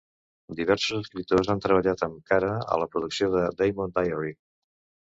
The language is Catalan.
Diversos escriptors han treballat amb Kara a la producció de "Demon Diary".